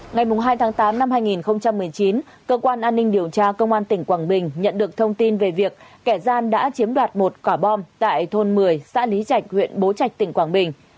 ngày hai tháng tám năm hai nghìn một mươi chín cơ quan an ninh điều tra công an tỉnh quảng bình nhận được thông tin về việc kẻ gian đã chiếm đoạt một quả bom tại thôn một mươi xã lý trạch huyện bố trạch tỉnh quảng bình